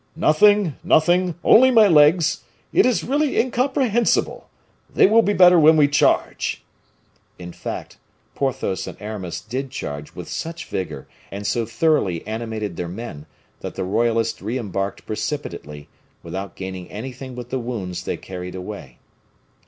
"Nothing! nothing! only my legs; it is really incomprehensible! they will be better when we charge." In fact, Porthos and Aramis did charge with such vigor, and so thoroughly animated their men, that the royalists re embarked precipitately, without gaining anything but the wounds they carried away.